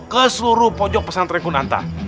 ke seluruh pojok pesantren gunata